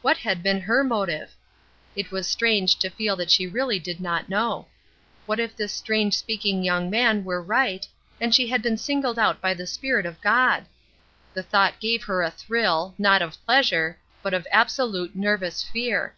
What had been her motive? It was strange to feel that she really did not know. What if this strange speaking young man were right, and she had been singled out by the Spirit of God! The thought gave her a thrill, not of pleasure, but of absolute, nervous fear.